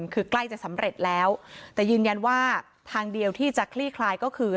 คือใกล้จะสำเร็จแล้วแต่ยืนยันว่าทางเดียวที่จะคลี่คลายก็คือ